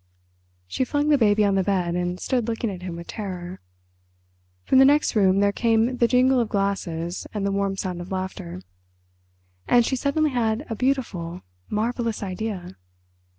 She flung the baby on the bed, and stood looking at him with terror. From the next room there came the jingle of glasses and the warm sound of laughter. And she suddenly had a beautiful marvellous idea.